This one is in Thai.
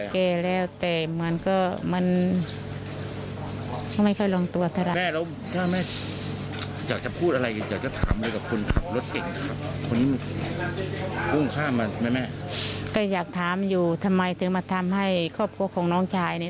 ก็อยากถามอยู่ทำไมถึงมาทำให้ครอบครัวของน้องชายเนี่ย